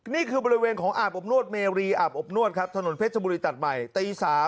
นี่คือบริเวณของอาบอบนวดเมรีอาบอบนวดครับถนนเพชรบุรีตัดใหม่ตี๓